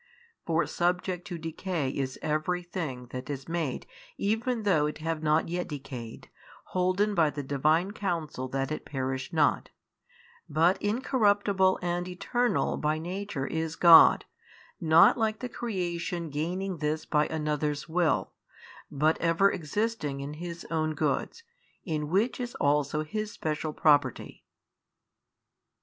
For subject to decay is every thing that is made |675 even though it have not yet decayed, holden by the Divine Counsel that it perish not; but Incorruptible and Eternal by Nature is God, not like the Creation gaining this by Another's will, but ever existing in His own goods, in which is also His special Property.